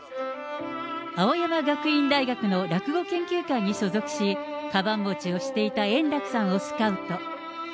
青山学院大学の落語研究会に所属し、かばん持ちをしていた円楽さんをスカウト。